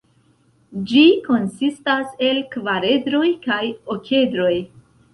Ĝi konsistas el kvaredroj kaj okedroj.